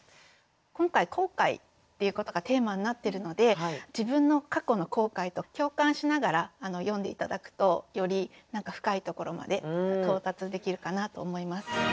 今回「後悔」っていうことがテーマになってるので自分の過去の後悔と共感しながら読んで頂くとより深いところまで到達できるかなと思います。